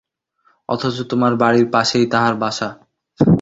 অথচ তোমার বাড়ির পাশেই তাহার বাসা।